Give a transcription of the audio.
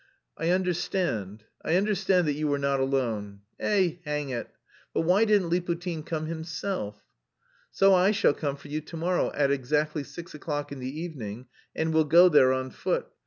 "I understand, I understand that you were not alone. Eh... hang it! But why didn't Liputin come himself?" "So I shall come for you to morrow at exactly six o'clock in the evening, and we'll go there on foot.